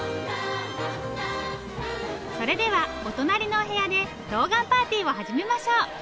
それではお隣のお部屋でとうがんパーティーを始めましょう！